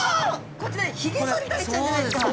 こちらヒゲソリダイちゃんじゃないですか。